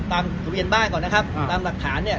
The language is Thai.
ทะเบียนบ้านก่อนนะครับตามหลักฐานเนี่ย